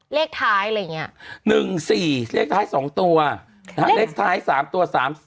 เลขท้ายอะไรอย่างนี้๑๔เลขท้าย๒ตัวเลขท้าย๓ตัว๓๔